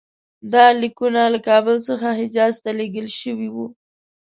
دا لیکونه له کابل څخه حجاز ته لېږل شوي وو.